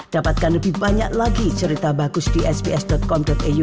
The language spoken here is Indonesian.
dapatkan lebih banyak lagi cerita bagus di sbs com au